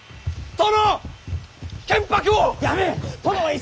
殿！